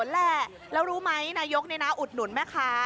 แล้วรู้ไหมนายกนี่อุดหนุนไหมคะ